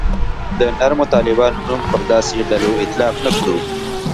د نرمو طالبانو نوم پر داسې ډلو اطلاق نه کړو.